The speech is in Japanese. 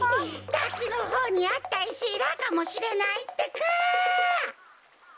たきのほうにあったいしラかもしれないってか！